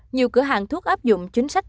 nhiều cửa hàng thuốc áp dụng chính sách